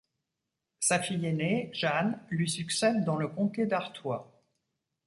Sa fille aînée, Jeanne, lui succède dans le comté d'Artois.